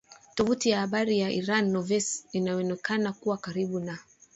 Tovuti ya habari ya Iran Nournews inayoonekana kuwa karibu na